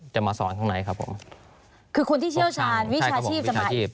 จะมาสอนข้างในครับผมคือคุณที่เชี่ยวชาญวิชาชีพใช่ครับผมวิชาชีพ